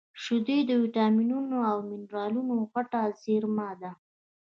شیدې د ویټامینونو او مینرالونو غټه زېرمه ده